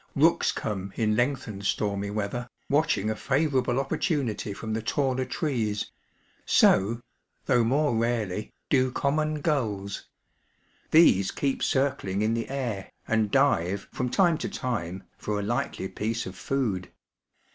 Books come in lengthened stormy weather, watching a favourable opportunity from the taller trees; so ŌĆö ^though more rarely ŌĆö do common gulls. These keep circling in the air, imd dive from time to time for a likely piece of food.